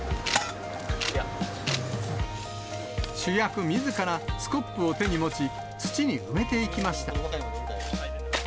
主役みずからスコップを手に持ち、土に埋めていきました。